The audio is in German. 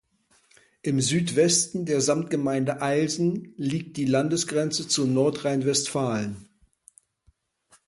Im Südwesten der Samtgemeinde Eilsen liegt die Landesgrenze zu Nordrhein-Westfalen.